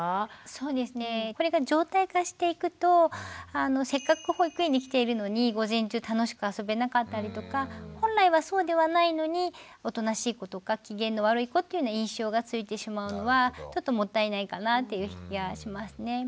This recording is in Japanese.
そうですねこれが常態化していくとせっかく保育園に来ているのに午前中楽しく遊べなかったりとか本来はそうではないのにおとなしい子とか機嫌の悪い子というような印象がついてしまうのはちょっともったいないかなっていう気はしますね。